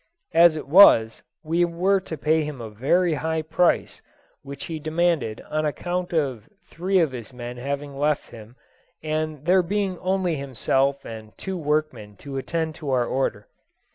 As it was, we were to pay him a very high price, which he demanded on account of three of his men having left him, and there being only himself and two workmen to attend to our order.